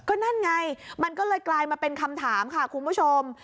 ก็นั่นไงมันก็เลยกลายมาเป็นคำถามค่ะคุณผู้ชม